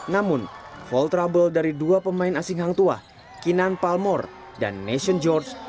namun fault trouble dari dua pemain asing hang tuas kinan palmore dan nation george